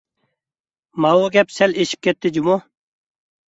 ماۋۇ گەپ سەل ئېشىپ كەتتى جۇمۇ!